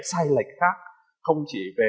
sai lệch khác không chỉ về